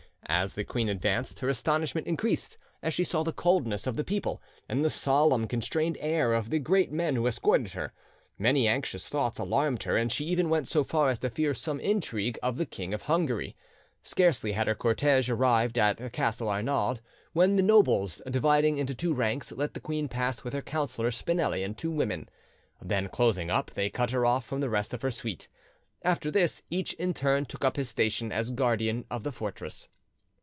As the queen advanced, her astonishment increased as she saw the coldness of the people and the solemn, constrained air of the great men who escorted her. Many anxious thoughts alarmed her, and she even went so far as to fear some intrigue of the King of Hungary. Scarcely had her cortege arrived at Castle Arnaud, when the nobles, dividing into two ranks, let the queen pass with her counsellor Spinelli and two women; then closing up, they cut her off from the rest of her suite. After this, each in turn took up his station as guardian of the fortress.